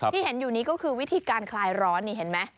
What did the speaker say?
ที่เห็นอยู่นี้ก็คือวิธีการคลายร้อนนี่เห็นไหม